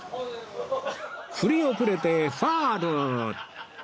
振り遅れてファウル